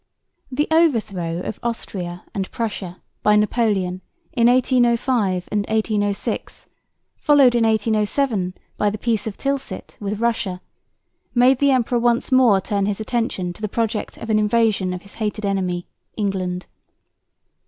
The overthrow of Austria and Prussia by Napoleon in 1805 and 1806, followed in 1807 by the Peace of Tilsit with Russia, made the emperor once more turn his attention to the project of an invasion of his hated enemy, England.